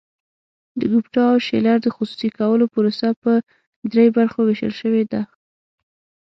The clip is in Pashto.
د ګوپټا او شیلر د خصوصي کولو پروسه په درې برخو ویشل شوې ده.